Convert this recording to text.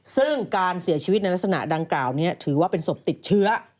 ซึ่งการเสียชีวิตในลักษณะดังกล่าวนี้ถือว่าเป็นศพติดเชื้อ